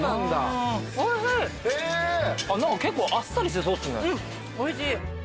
結構あっさりしてそうっすね。おいしい。